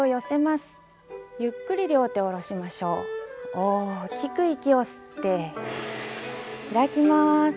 大きく息を吸って開きます。